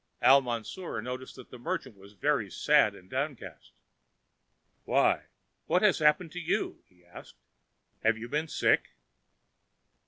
Al Mansour noticed that the merchant was very sad and downcast. "Why, what has happened to you?" he asked. "Have you been sick?"